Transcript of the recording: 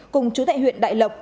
cùng chú thại huyện đại lộc